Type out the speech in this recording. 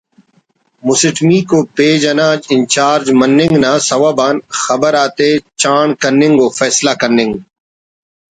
مسٹمیکو پیج انا incharge morning نا سوب آن خبر آتے چانڑ کننگ و فیصلہ کننگ